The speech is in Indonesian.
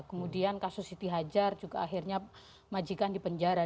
kemudian kasus siti hajar juga akhirnya majikan di penjara